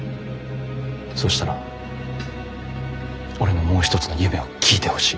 そうしたら俺のもう一つの夢を聞いてほしい。